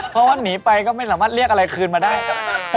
เพราะว่าหนีไปก็ไม่สามารถเรียกอะไรคืนมาได้